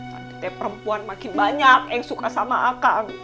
nanti teh perempuan makin banyak yang suka sama akang